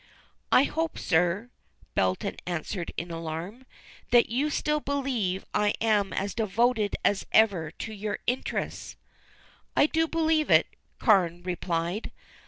"I hope, sir," Belton answered in alarm, "that you still believe I am as devoted as ever to your interests." "I do believe it," Carne replied.